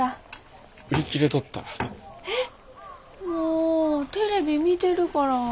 もうテレビ見てるから。